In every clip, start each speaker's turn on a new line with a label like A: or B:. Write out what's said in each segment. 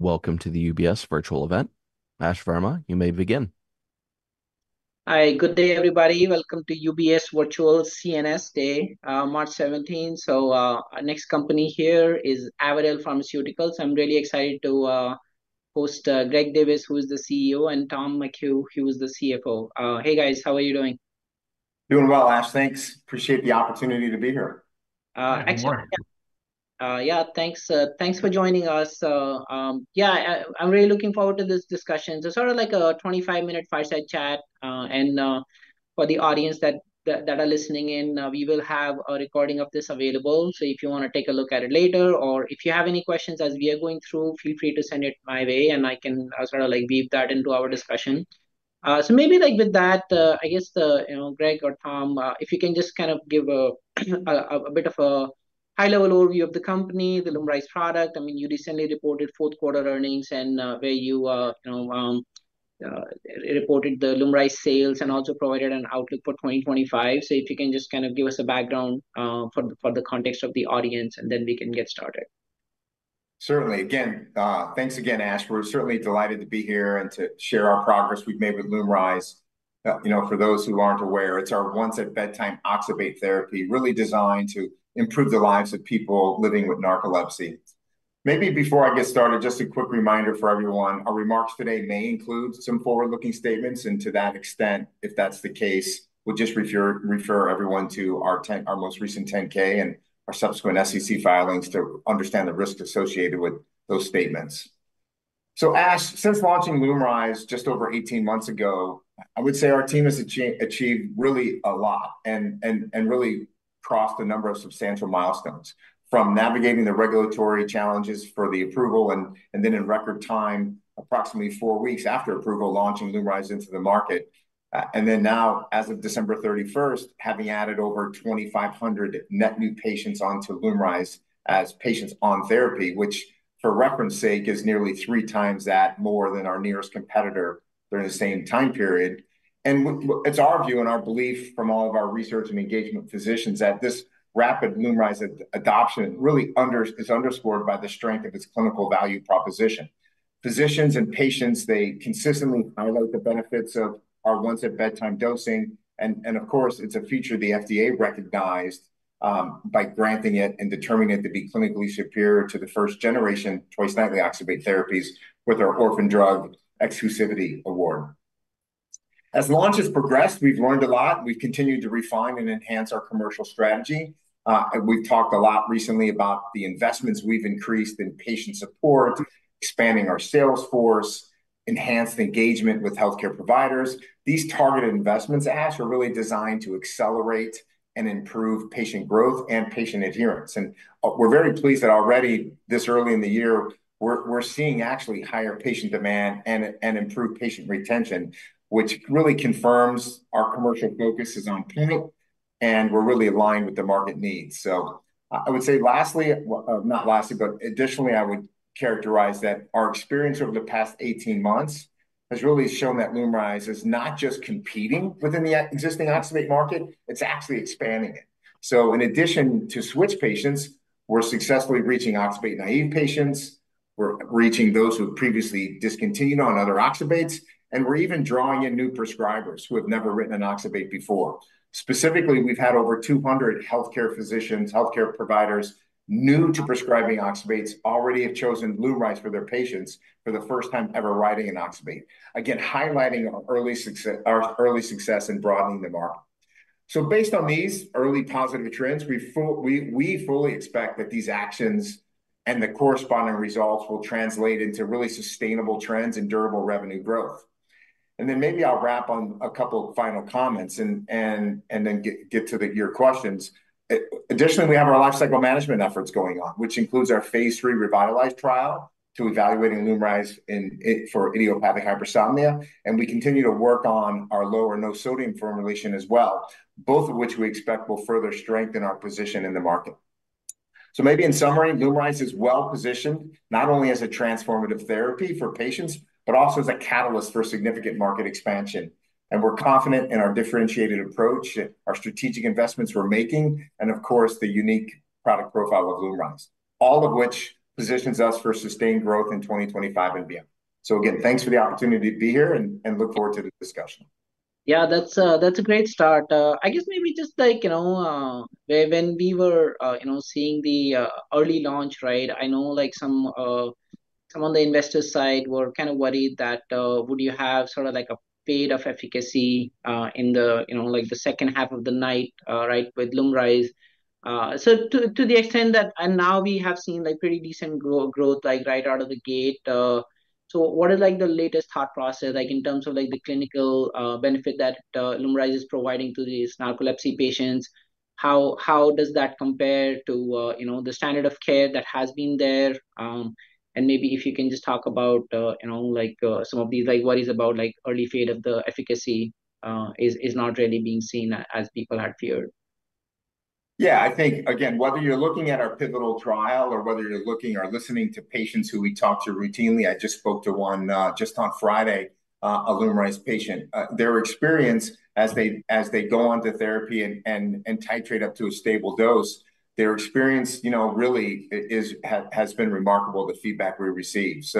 A: Welcome to the UBS virtual event. Ash Verma, you may begin.
B: Hi, good day, everybody. Welcome to UBS Virtual CNS Day, March 17th. Our next company here is Avadel Pharmaceuticals. I'm really excited to host Greg Divis, who is the CEO, and Tom McHugh, who is the CFO. Hey, guys, how are you doing?
C: Doing well, Ash. Thanks. Appreciate the opportunity to be here.
B: Yeah, thanks for joining us. Yeah, I'm really looking forward to this discussion. It's sort of like a 25-minute fireside chat. For the audience that are listening in, we will have a recording of this available. If you want to take a look at it later, or if you have any questions as we are going through, feel free to send it my way, and I can sort of like weave that into our discussion. Maybe with that, I guess, Greg or Tom, if you can just kind of give a bit of a high-level overview of the company, the LUMRYZ product. I mean, you recently reported fourth-quarter earnings and where you reported the LUMRYZ sales and also provided an outlook for 2025. If you can just kind of give us a background for the context of the audience, then we can get started.
C: Certainly. Again, thanks again, Ash. We're certainly delighted to be here and to share our progress we've made with LUMRYZ. For those who aren't aware, it's our once at bedtime oxybate therapy really designed to improve the lives of people living with narcolepsy. Maybe before I get started, just a quick reminder for everyone. Our remarks today may include some forward-looking statements. To that extent, if that's the case, we'll just refer everyone to our most recent 10-K and our subsequent SEC filings to understand the risk associated with those statements. Ash, since launching LUMRYZ just over 18 months ago, I would say our team has achieved really a lot and really crossed a number of substantial milestones from navigating the regulatory challenges for the approval and then in record time, approximately four weeks after approval, launching LUMRYZ into the market. As of December 31st, having added over 2,500 net new patients onto LUMRYZ as patients on therapy, which for reference's sake is nearly three times more than our nearest competitor during the same time period. It is our view and our belief from all of our research and engagement with physicians that this rapid LUMRYZ adoption really is underscored by the strength of its clinical value proposition. Physicians and patients, they consistently highlight the benefits of our once at bedtime dosing. Of course, it is a feature the FDA recognized by granting it and determining it to be clinically superior to the first-generation twice-nightly oxybate therapies with our Orphan Drug Exclusivity award. As launch has progressed, we have learned a lot. We have continued to refine and enhance our commercial strategy. We've talked a lot recently about the investments we've increased in patient support, expanding our sales force, enhanced engagement with healthcare providers. These targeted investments, Ash, are really designed to accelerate and improve patient growth and patient adherence. We're very pleased that already this early in the year, we're seeing actually higher patient demand and improved patient retention, which really confirms our commercial focus is on clinical and we're really aligned with the market needs. I would say lastly, not lastly, but additionally, I would characterize that our experience over the past 18 months has really shown that LUMRYZ is not just competing within the existing oxybate market, it's actually expanding it. In addition to switch patients, we're successfully reaching oxybate naive patients. We're reaching those who have previously discontinued on other oxybates. We're even drawing in new prescribers who have never written an oxybate before. Specifically, we've had over 200 healthcare providers new to prescribing oxybates already have chosen LUMRYZ for their patients for the first time ever writing an oxybate. Again, highlighting our early success in broadening the market. Based on these early positive trends, we fully expect that these actions and the corresponding results will translate into really sustainable trends and durable revenue growth. Maybe I'll wrap on a couple of final comments and then get to your questions. Additionally, we have our lifecycle management efforts going on, which includes our phase III REVITALYZ trial evaluating LUMRYZ for idiopathic hypersomnia. We continue to work on our lower or no sodium formulation as well, both of which we expect will further strengthen our position in the market. Maybe in summary, LUMRYZ is well positioned not only as a transformative therapy for patients, but also as a catalyst for significant market expansion. We're confident in our differentiated approach, our strategic investments we're making, and of course, the unique product profile of LUMRYZ, all of which positions us for sustained growth in 2025 and beyond. Again, thanks for the opportunity to be here and look forward to the discussion.
B: Yeah, that's a great start. I guess maybe just like when we were seeing the early launch, right, I know some on the investor side were kind of worried that would you have sort of like a fade of efficacy in the second half of the night, right, with LUMRYZ. To the extent that and now we have seen pretty decent growth right out of the gate. What is the latest thought process in terms of the clinical benefit that LUMRYZ is providing to these narcolepsy patients? How does that compare to the standard of care that has been there? Maybe if you can just talk about some of these worries about early fade of the efficacy is not really being seen as people had feared.
C: Yeah, I think, again, whether you're looking at our pivotal trial or whether you're looking or listening to patients who we talk to routinely, I just spoke to one just on Friday, a LUMRYZ patient. Their experience as they go on to therapy and titrate up to a stable dose, their experience really has been remarkable, the feedback we received.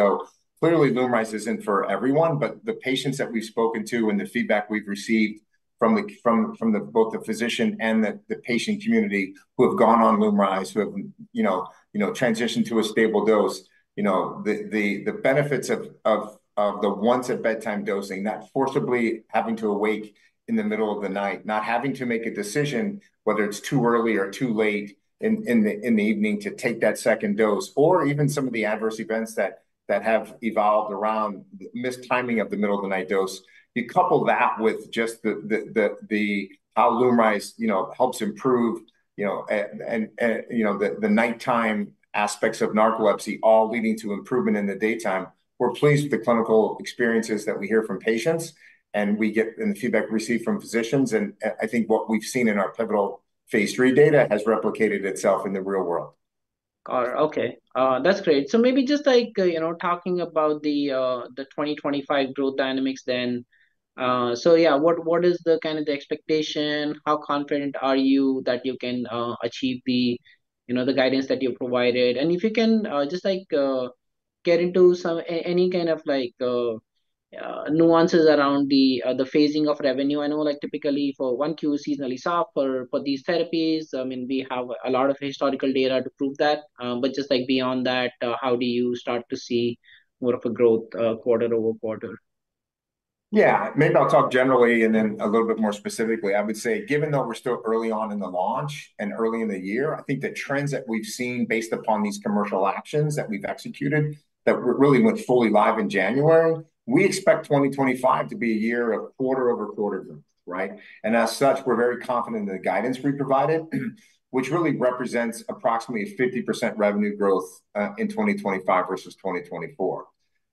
C: Clearly, LUMRYZ isn't for everyone, but the patients that we've spoken to and the feedback we've received from both the physician and the patient community who have gone on LUMRYZ, who have transitioned to a stable dose, the benefits of the once at bedtime dosing, not forcibly having to awake in the middle of the night, not having to make a decision whether it's too early or too late in the evening to take that second dose, or even some of the adverse events that have evolved around the missed timing of the middle of the night dose. You couple that with just how LUMRYZ helps improve the nighttime aspects of narcolepsy, all leading to improvement in the daytime. We're pleased with the clinical experiences that we hear from patients and the feedback received from physicians. I think what we've seen in our pivotal phase III data has replicated itself in the real world.
B: Got it. Okay. That's great. Maybe just talking about the 2025 growth dynamics then. What is the kind of expectation? How confident are you that you can achieve the guidance that you provided? If you can just get into any kind of nuances around the phasing of revenue. I know typically for Q1, seasonally soft for these therapies, I mean, we have a lot of historical data to prove that. Just beyond that, how do you start to see more of a growth quarter-over-quarter?
C: Yeah, maybe I'll talk generally and then a little bit more specifically. I would say, given that we're still early on in the launch and early in the year, I think the trends that we've seen based upon these commercial actions that we've executed that really went fully live in January, we expect 2025 to be a year of quarter-over-quarter growth, right? As such, we're very confident in the guidance we provided, which really represents approximately 50% revenue growth in 2025 versus 2024.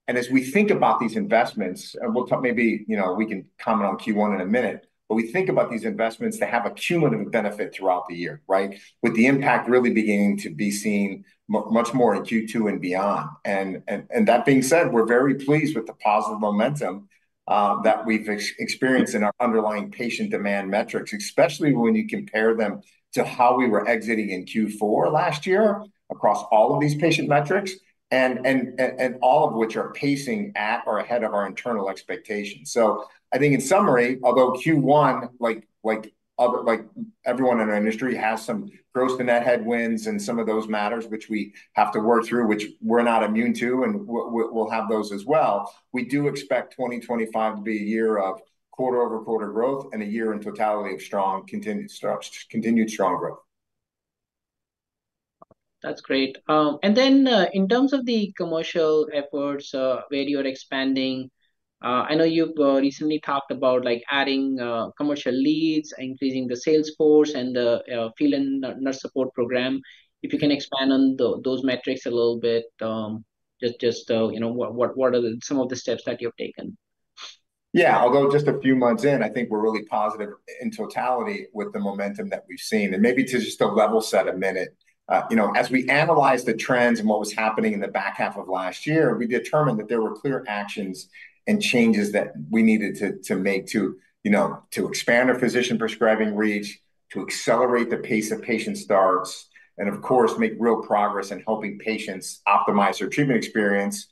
C: As we think about these investments, maybe we can comment on Q1 in a minute, but we think about these investments to have a cumulative benefit throughout the year, right, with the impact really beginning to be seen much more in Q2 and beyond. That being said, we're very pleased with the positive momentum that we've experienced in our underlying patient demand metrics, especially when you compare them to how we were exiting in Q4 last year across all of these patient metrics, and all of which are pacing at or ahead of our internal expectations. I think in summary, although Q1, like everyone in our industry, has some gross-to-net headwinds and some of those matters, which we have to work through, which we're not immune to, and we'll have those as well, we do expect 2025 to be a year of quarter-over-quarter growth and a year in totality of continued strong growth.
B: That's great. In terms of the commercial efforts where you're expanding, I know you've recently talked about adding commercial leads, increasing the sales force, and the field and nurse support program. If you can expand on those metrics a little bit, just what are some of the steps that you've taken?
C: Yeah, although just a few months in, I think we're really positive in totality with the momentum that we've seen. Maybe to just level set a minute, as we analyzed the trends and what was happening in the back half of last year, we determined that there were clear actions and changes that we needed to make to expand our physician prescribing reach, to accelerate the pace of patient starts, and of course, make real progress in helping patients optimize their treatment experience,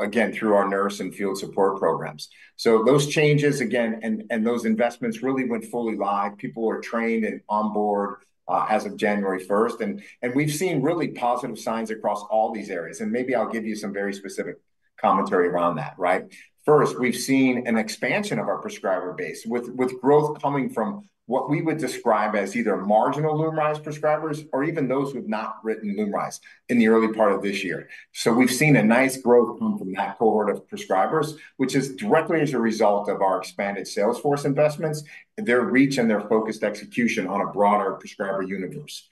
C: again, through our nurse and field support programs. Those changes, again, and those investments really went fully live. People were trained and onboard as of January 1st. We've seen really positive signs across all these areas. Maybe I'll give you some very specific commentary around that, right? First, we've seen an expansion of our prescriber base with growth coming from what we would describe as either marginal LUMRYZ prescribers or even those who have not written LUMRYZ in the early part of this year. We have seen a nice growth come from that cohort of prescribers, which is directly as a result of our expanded sales force investments, their reach, and their focused execution on a broader prescriber universe.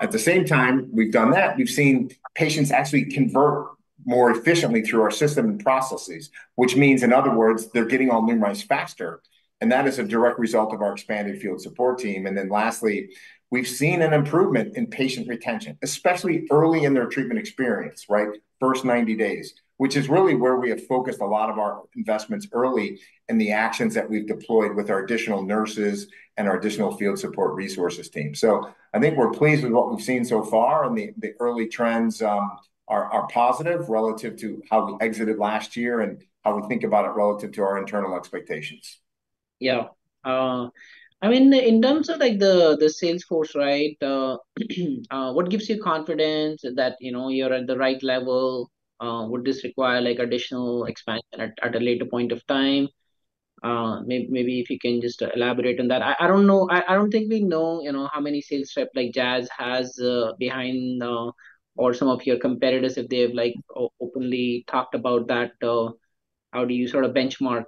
C: At the same time, we have done that. We have seen patients actually convert more efficiently through our system and processes, which means, in other words, they are getting on LUMRYZ faster. That is a direct result of our expanded field support team. Lastly, we've seen an improvement in patient retention, especially early in their treatment experience, right, first 90 days, which is really where we have focused a lot of our investments early in the actions that we've deployed with our additional nurses and our additional field support resources team. I think we're pleased with what we've seen so far, and the early trends are positive relative to how we exited last year and how we think about it relative to our internal expectations.
B: Yeah. I mean, in terms of the sales force, right, what gives you confidence that you're at the right level? Would this require additional expansion at a later point of time? Maybe if you can just elaborate on that. I don't know. I don't think we know how many sales reps Jazz has behind or some of your competitors, if they've openly talked about that. How do you sort of benchmark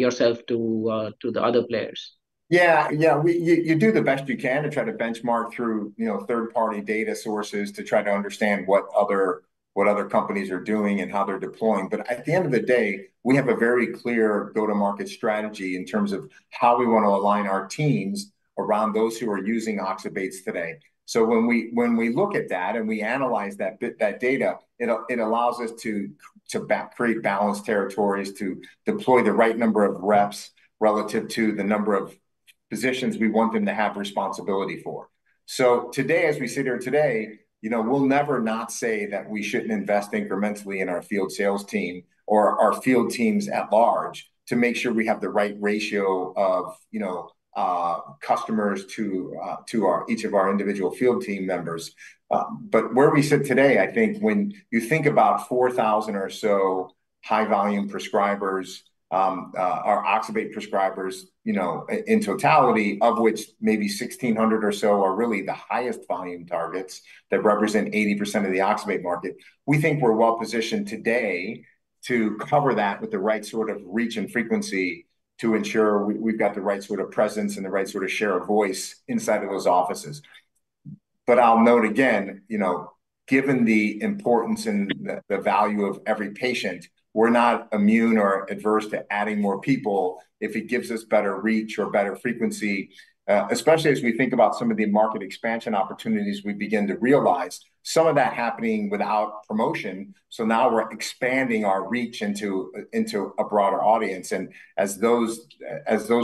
B: yourself to the other players?
C: Yeah, yeah. You do the best you can to try to benchmark through third-party data sources to try to understand what other companies are doing and how they're deploying. At the end of the day, we have a very clear go-to-market strategy in terms of how we want to align our teams around those who are using oxybate today. When we look at that and we analyze that data, it allows us to create balanced territories to deploy the right number of reps relative to the number of positions we want them to have responsibility for. Today, as we sit here today, we'll never not say that we shouldn't invest incrementally in our field sales team or our field teams at large to make sure we have the right ratio of customers to each of our individual field team members. Where we sit today, I think when you think about 4,000 or so high-volume prescribers, our oxybate prescribers in totality, of which maybe 1,600 or so are really the highest volume targets that represent 80% of the oxybate market, we think we're well positioned today to cover that with the right sort of reach and frequency to ensure we've got the right sort of presence and the right sort of share of voice inside of those offices. I'll note again, given the importance and the value of every patient, we're not immune or adverse to adding more people if it gives us better reach or better frequency, especially as we think about some of the market expansion opportunities we begin to realize, some of that happening without promotion. Now we're expanding our reach into a broader audience. As those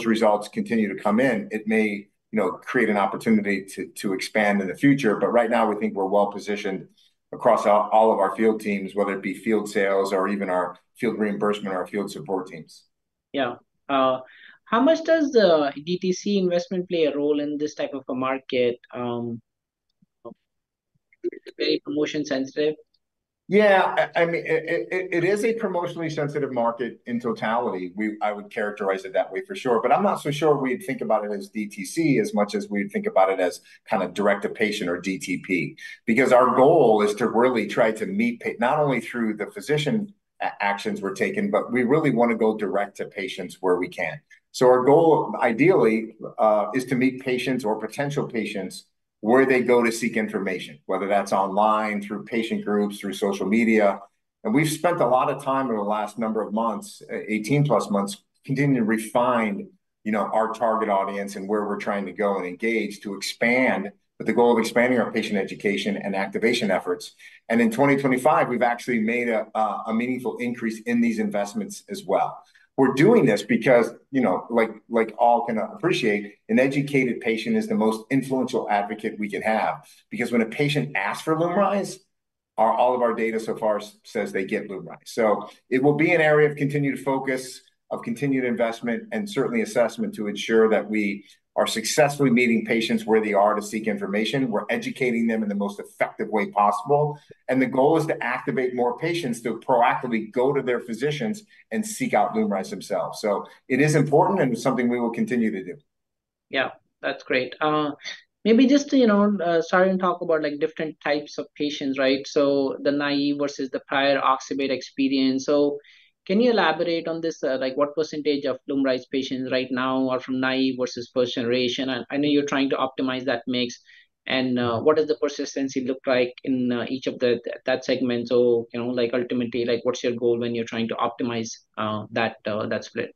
C: results continue to come in, it may create an opportunity to expand in the future. Right now, we think we're well positioned across all of our field teams, whether it be field sales or even our field reimbursement or our field support teams.
B: Yeah. How much does DTC investment play a role in this type of a market? Very promotion sensitive.
C: Yeah. I mean, it is a promotionally sensitive market in totality. I would characterize it that way for sure. I'm not so sure we'd think about it as DTC as much as we'd think about it as kind of direct to patient or DTP because our goal is to really try to meet not only through the physician actions we're taking, but we really want to go direct to patients where we can. Our goal ideally is to meet patients or potential patients where they go to seek information, whether that's online, through patient groups, through social media. We've spent a lot of time over the last number of months, 18+ months, continuing to refine our target audience and where we're trying to go and engage to expand with the goal of expanding our patient education and activation efforts. In 2025, we've actually made a meaningful increase in these investments as well. We're doing this because, like all can appreciate, an educated patient is the most influential advocate we can have because when a patient asks for LUMRYZ, all of our data so far says they get LUMRYZ. It will be an area of continued focus, of continued investment, and certainly assessment to ensure that we are successfully meeting patients where they are to seek information. We're educating them in the most effective way possible. The goal is to activate more patients to proactively go to their physicians and seek out LUMRYZ themselves. It is important and something we will continue to do.
B: Yeah, that's great. Maybe just starting to talk about different types of patients, right? The naive versus the prior oxybate experience. Can you elaborate on this? What percentage of LUMRYZ patients right now are from naive versus first generation? I know you're trying to optimize that mix. What does the persistency look like in each of that segment? Ultimately, what's your goal when you're trying to optimize that split?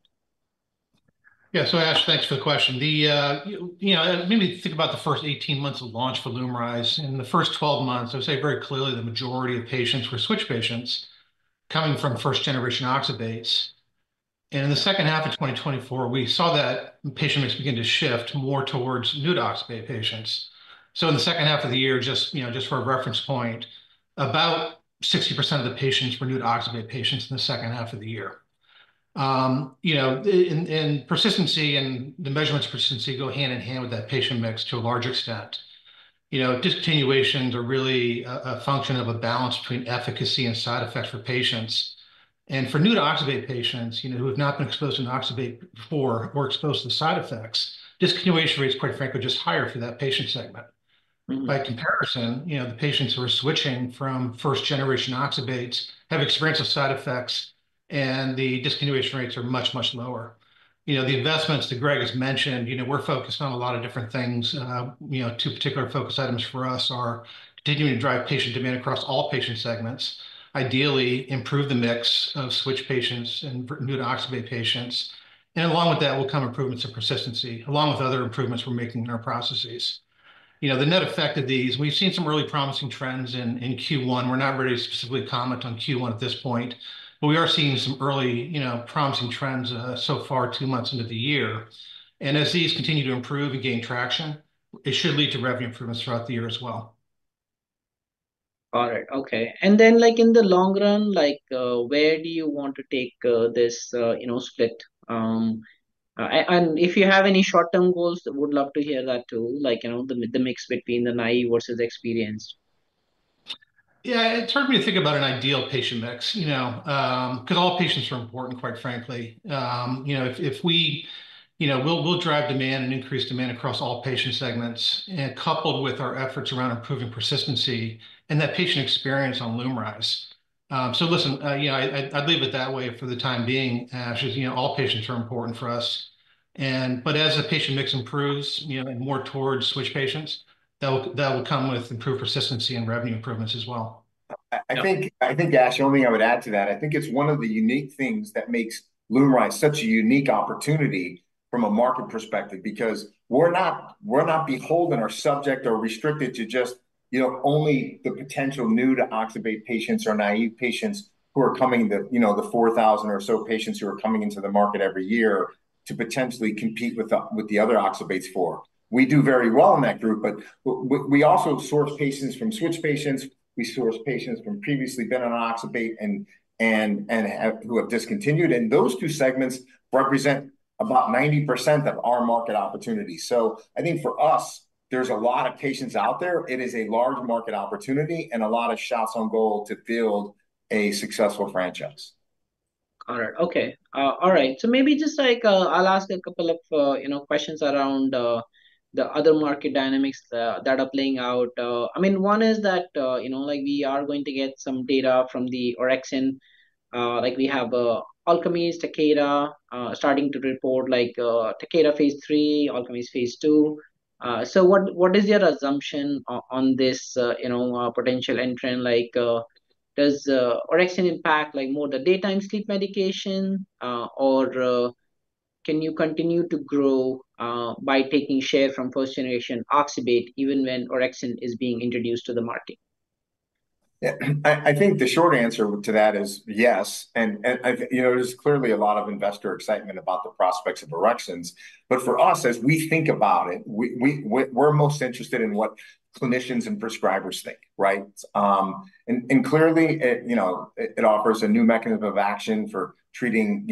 D: Yeah. Ash, thanks for the question. Maybe think about the first 18 months of launch for LUMRYZ. In the first 12 months, I would say very clearly the majority of patients were switch patients coming from first-generation oxybate. In the second half of 2024, we saw that patient mix begin to shift more towards new oxybate patients. In the second half of the year, just for a reference point, about 60% of the patients were new oxybate patients in the second half of the year. Persistency and the measurements of persistency go hand in hand with that patient mix to a large extent. Discontinuations are really a function of a balance between efficacy and side effects for patients. For new oxybate patients who have not been exposed to an oxybate before or exposed to the side effects, discontinuation rates quite frankly are just higher for that patient segment. By comparison, the patients who are switching from 1st generation oxybate have experienced side effects, and the discontinuation rates are much, much lower. The investments that Greg has mentioned, we're focused on a lot of different things. Two particular focus items for us are continuing to drive patient demand across all patient segments, ideally improve the mix of switch patients and new oxybate patients. Along with that will come improvements in persistency along with other improvements we're making in our processes. The net effect of these, we've seen some really promising trends in Q1. We're not ready to specifically comment on Q1 at this point, but we are seeing some early promising trends so far two months into the year. As these continue to improve and gain traction, it should lead to revenue improvements throughout the year as well.
B: Got it. Okay. In the long run, where do you want to take this split? If you have any short-term goals, would love to hear that too, the mix between the naive versus experienced.
D: Yeah. It's hard for me to think about an ideal patient mix because all patients are important, quite frankly. If we will drive demand and increase demand across all patient segments and coupled with our efforts around improving persistency and that patient experience on LUMRYZ. Listen, I'd leave it that way for the time being, Ash, as all patients are important for us. As the patient mix improves and more towards switch patients, that will come with improved persistency and revenue improvements as well.
C: I think, Ash, the only thing I would add to that, I think it's one of the unique things that makes LUMRYZ such a unique opportunity from a market perspective because we're not beholden or subject or restricted to just only the potential new oxybate patients or naive patients who are coming, the 4,000 or so patients who are coming into the market every year to potentially compete with the other oxybate for. We do very well in that group, but we also source patients from switch patients. We source patients who have previously been on oxybate and who have discontinued. Those two segments represent about 90% of our market opportunity. I think for us, there's a lot of patients out there. It is a large market opportunity and a lot of shots on goal to build a successful franchise.
B: Got it. Okay. All right. Maybe just I'll ask a couple of questions around the other market dynamics that are playing out. I mean, one is that we are going to get some data from the orexin. We have Alkermes, Takeda starting to report Takeda phase III, Alkermes phase II. What is your assumption on this potential entrant? Does orexin impact more the daytime sleep medication, or can you continue to grow by taking share from 1st generation oxybate even when orexin is being introduced to the market?
C: Yeah. I think the short answer to that is yes. There's clearly a lot of investor excitement about the prospects of orexins. For us, as we think about it, we're most interested in what clinicians and prescribers think, right? Clearly, it offers a new mechanism of action for treating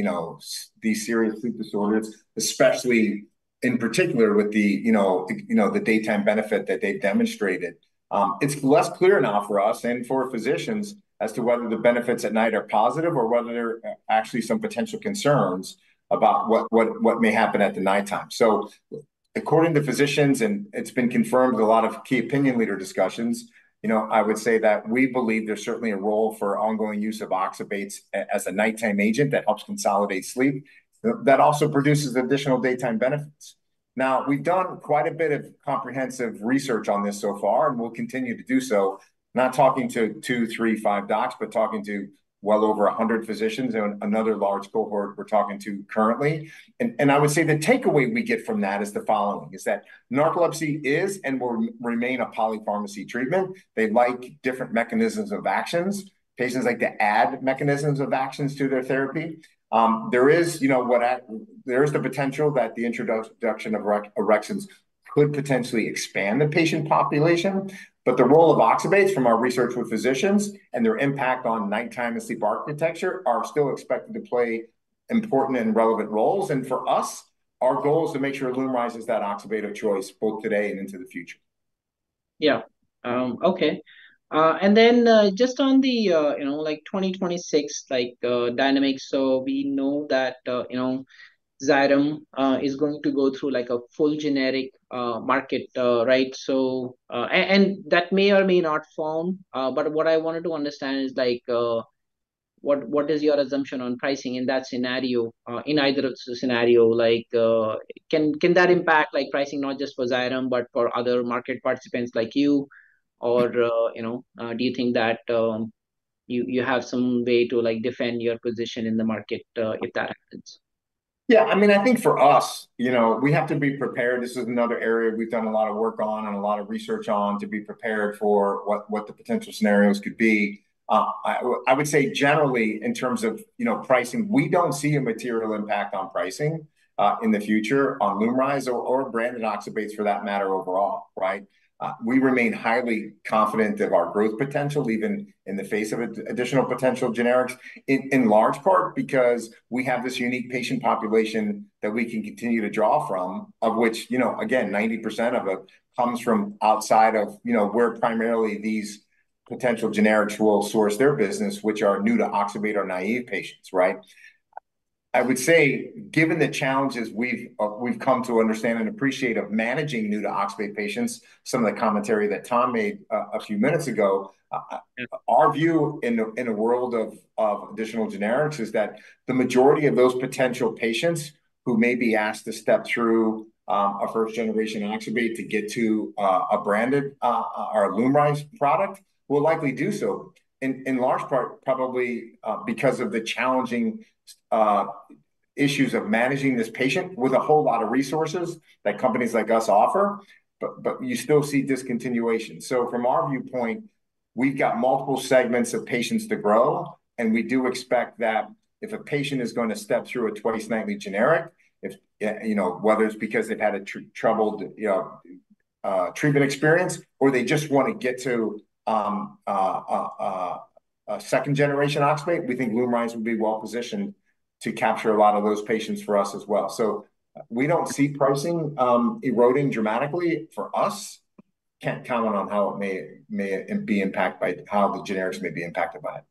C: these serious sleep disorders, especially in particular with the daytime benefit that they've demonstrated. It's less clear now for us and for physicians as to whether the benefits at night are positive or whether there are actually some potential concerns about what may happen at the nighttime. According to physicians, and it's been confirmed with a lot of key opinion leader discussions, I would say that we believe there's certainly a role for ongoing use of oxybate as a nighttime agent that helps consolidate sleep that also produces additional daytime benefits. Now, we've done quite a bit of comprehensive research on this so far, and we'll continue to do so, not talking to two, three, five docs, but talking to well over 100 physicians and another large cohort we're talking to currently. I would say the takeaway we get from that is the following, is that narcolepsy is and will remain a polypharmacy treatment. They like different mechanisms of actions. Patients like to add mechanisms of actions to their therapy. There is the potential that the introduction of orexins could potentially expand the patient population, but the role of oxybate from our research with physicians and their impact on nighttime and sleep architecture are still expected to play important and relevant roles. For us, our goal is to make sure LUMRYZ is that oxybate of choice both today and into the future.
B: Yeah. Okay. Just on the 2026 dynamics, we know that Xyrem is going to go through a full generic market, right? That may or may not form, but what I wanted to understand is what is your assumption on pricing in that scenario, in either scenario? Can that impact pricing not just for Xyrem, but for other market participants like you? Do you think that you have some way to defend your position in the market if that happens?
C: Yeah. I mean, I think for us, we have to be prepared. This is another area we've done a lot of work on and a lot of research on to be prepared for what the potential scenarios could be. I would say generally in terms of pricing, we don't see a material impact on pricing in the future on LUMRYZ or branded oxybate for that matter overall, right? We remain highly confident of our growth potential, even in the face of additional potential generics, in large part because we have this unique patient population that we can continue to draw from, of which, again, 90% of it comes from outside of where primarily these potential generics will source their business, which are new oxybate or naive patients, right? I would say, given the challenges we've come to understand and appreciate of managing new oxybate patients, some of the commentary that Tom made a few minutes ago, our view in a world of additional generics is that the majority of those potential patients who may be asked to step through a 1st generation oxybate to get to a branded or a LUMRYZ product will likely do so, in large part probably because of the challenging issues of managing this patient with a whole lot of resources that companies like us offer, but you still see discontinuation. From our viewpoint, we've got multiple segments of patients to grow, and we do expect that if a patient is going to step through a twice-nightly generic, whether it's because they've had a troubled treatment experience or they just want to get to a 2nd generation oxybate, we think LUMRYZ would be well positioned to capture a lot of those patients for us as well. We do not see pricing eroding dramatically for us. Can't comment on how it may be impacted by how the generics may be impacted by it.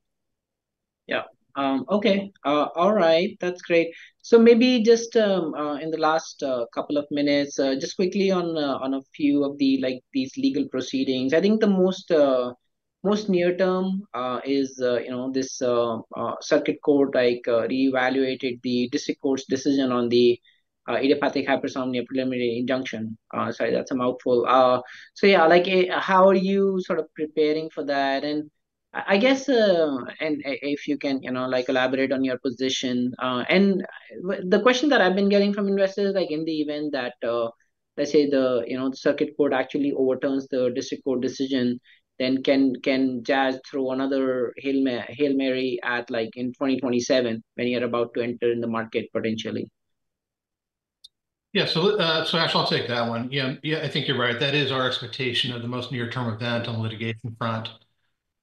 B: Yeah. Okay. All right. That's great. Maybe just in the last couple of minutes, just quickly on a few of these legal proceedings. I think the most near-term is this circuit court reevaluated the district court's decision on the idiopathic hypersomnia preliminary injunction. Sorry, that's a mouthful. Yeah, how are you sort of preparing for that? I guess, if you can elaborate on your position. The question that I've been getting from investors is in the event that, let's say, the circuit court actually overturns the district court decision, then can Jazz throw another Hail Mary in 2027 when you're about to enter in the market potentially?
D: Yeah. Ash, I'll take that one. Yeah, I think you're right. That is our expectation of the most near-term event on the litigation front.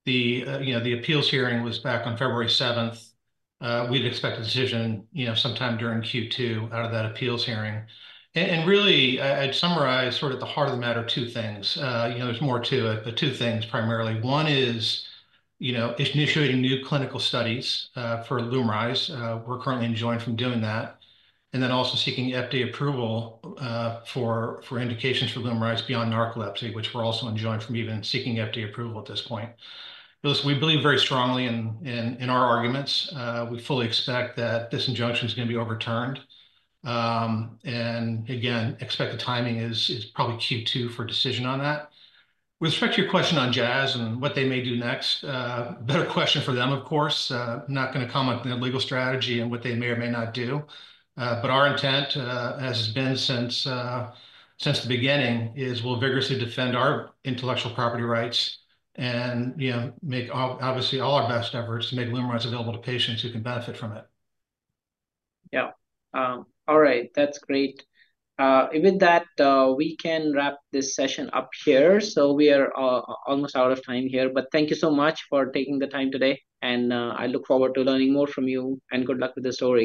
D: The appeals hearing was back on February 7th. We'd expect a decision sometime during Q2 out of that appeals hearing. I would summarize sort of at the heart of the matter two things. There's more to it, but two things primarily. One is initiating new clinical studies for LUMRYZ. We're currently enjoined from doing that. Also, seeking FDA approval for indications for LUMRYZ beyond narcolepsy, which we're also enjoined from even seeking FDA approval at this point. We believe very strongly in our arguments. We fully expect that this injunction is going to be overturned. Again, expect the timing is probably Q2 for a decision on that. With respect to your question on Jazz and what they may do next, better question for them, of course. I'm not going to comment on their legal strategy and what they may or may not do. Our intent, as it's been since the beginning, is we'll vigorously defend our intellectual property rights and make obviously all our best efforts to make LUMRYZ available to patients who can benefit from it.
B: Yeah. All right. That's great. With that, we can wrap this session up here. We are almost out of time here, but thank you so much for taking the time today. I look forward to learning more from you. Good luck with the story.